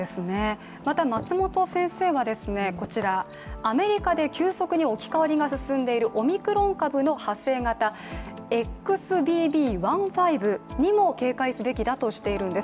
また松本先生は、アメリカで急速が置き換わりが進んでいるオミクロン株の派生型ＸＢＢ．１．５にも警戒すべきだとしているんです。